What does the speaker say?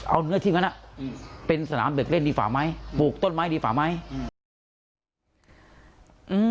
เอาเนื้อที่งั้นอ่ะอืมเป็นสนามเด็กเล่นดีฝ่าไหมปลูกต้นไม้ดีฝ่าไหมอืม